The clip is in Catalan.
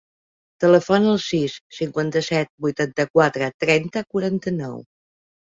Telefona al sis, cinquanta-set, vuitanta-quatre, trenta, quaranta-nou.